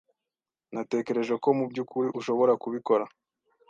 Natekereje ko mubyukuri ushobora kubikora.